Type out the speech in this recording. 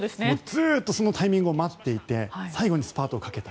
ずっとそのタイミングを待っていて最後にスパートをかけた。